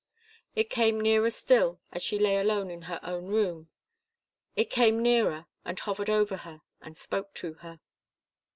It came nearer still as she lay alone in her own room. It came nearer, and hovered over her, and spoke to her.